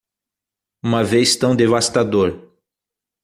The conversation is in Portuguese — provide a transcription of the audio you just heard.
Uma vez tão devastador